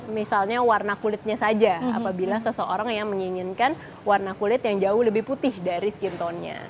misalnya warna kulitnya saja apabila seseorang yang menginginkan warna kulit yang jauh lebih putih dari skintonnya